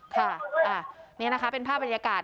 ค่ะนี่นะคะเป็นภาพบรรยากาศ